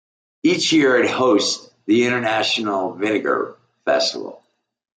Each year it hosts the International Vinegar Festival.